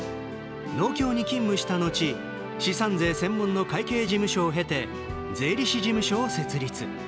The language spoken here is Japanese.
農協に勤務した後資産税専門の会計事務所を経て税理士事務所を設立。